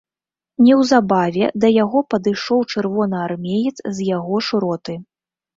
Неўзабаве да яго падышоў чырвонаармеец з яго ж роты.